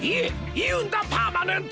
いうんだパーマネント！